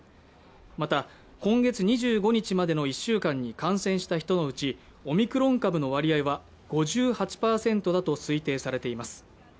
また、今月２５日までの１週間に感染した人のうちオミクロン株の割合は５８％だと推定されています。